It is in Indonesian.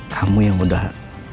kamu yang udah